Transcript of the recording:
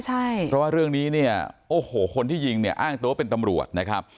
เพราะว่าเรื่องนี้เนี่ยโอ้โหคนที่ยิงเนี่ยอ้างตัวเป็นตำรวจนะครับ